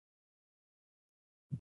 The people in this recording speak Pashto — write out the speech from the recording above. ایا ستاسو وړاندیز ګټور نه دی؟